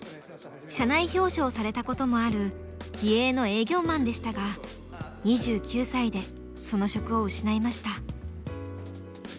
社内表彰をされたこともある気鋭の営業マンでしたが２９歳でその職を失いました。